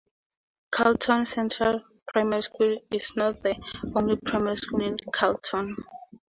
Carlton Central Primary School is not the only primary school in Carlton.